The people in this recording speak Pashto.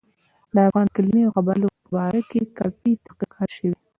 د افغان کلمې او قبایلو په باره کې کافي تحقیقات شوي.